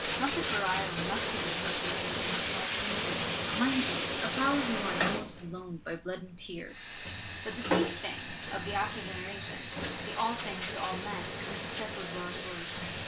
Not the virile 'muscular Christianity' of Charles Kingsley, mind you a power he won almost alone, by blood and tears; but the 'safe' thing of the after generation, the 'all things to all men' when success was well as sured.